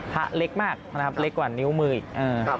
พระเล็กมากนะครับเล็กกว่านิ้วมืออีก